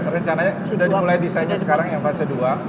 rencananya sudah dimulai desainnya sekarang yang fase dua